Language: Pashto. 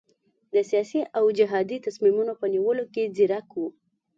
د سیاسي او جهادي تصمیمونو په نیولو کې ځیرک وو.